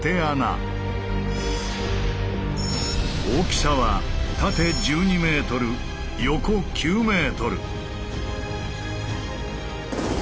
大きさは縦１２ｍ横９ｍ。